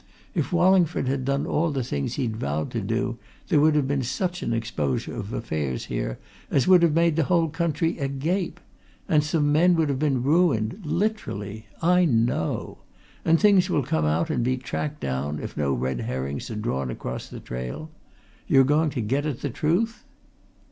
If Wallingford had done all the things he'd vowed to do, there would have been such an exposure of affairs here as would have made the whole country agape. And some men would have been ruined literally. I know! And things will come out and be tracked down, if no red herrings are drawn across the trail. You're going to get at the truth?"